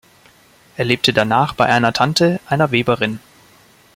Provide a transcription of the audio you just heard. Er lebte danach bei einer Tante, einer Weberin.